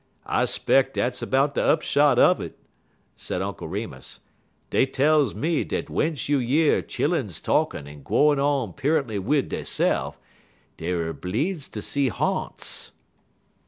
"I 'speck dat's 'bout de upshot un it," said Uncle Remus. "Dey tells me dat w'ence you year chilluns talkin' en gwine on periently wid deyse'f, der er bleedz ter see ha'nts."